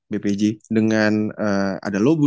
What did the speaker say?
bpj dengan ada lobo